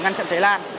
ngăn chặn cháy lan